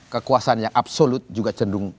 kekuasaan yang absolut juga cenderung